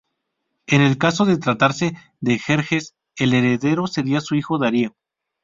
En el caso de tratarse de Jerjes, el heredero sería su hijo Darío.